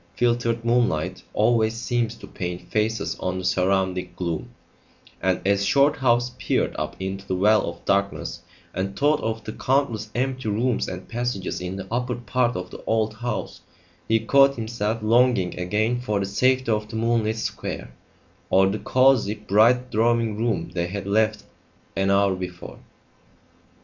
Filtered moonlight always seems to paint faces on the surrounding gloom, and as Shorthouse peered up into the well of darkness and thought of the countless empty rooms and passages in the upper part of the old house, he caught himself longing again for the safety of the moonlit square, or the cosy, bright drawing room they had left an hour before.